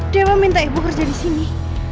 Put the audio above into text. demo minta ibu kerja di sini